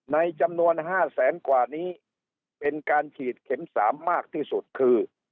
ในจำนวน๕แสนกว่านี้เป็นการฉีดเข็ม๓มากที่สุดคือ